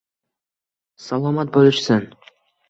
Salomat bo’lishsin...